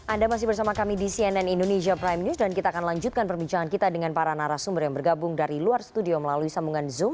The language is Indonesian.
anda masih bersama kami di cnn indonesia prime news dan kita akan lanjutkan perbincangan kita dengan para narasumber yang bergabung dari luar studio melalui sambungan zoom